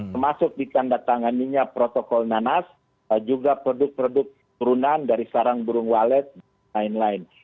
termasuk di tanda tangan ini protokol nanas juga produk produk perunan dari sarang burung walet dan lain lain